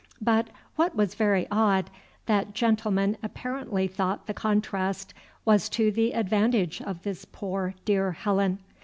But, what was very odd, that gentleman apparently thought the contrast was to the advantage of this poor, dear Helen.